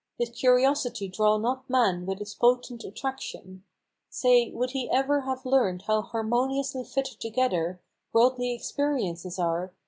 Did curiosity draw not man with its potent attraction, Say, would he ever have learned how harmoniously fitted together Worldly experiences are?